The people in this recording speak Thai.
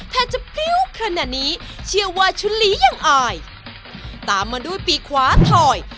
แทนจะปิ้วขนาดนี้เชื่อว่าฉุนหลียังอ่ายตามมันด้วยปีคว้าถ่อย